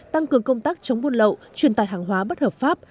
tăng cường công tác chống buôn lậu truyền tài hàng hóa bất hợp pháp